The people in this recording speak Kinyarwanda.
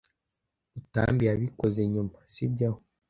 Rutambi yabikoze nyuma, si byo?